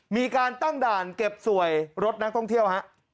มีการตั้งด่านเก็บสวยรถนักท่องเที่ยวฮะ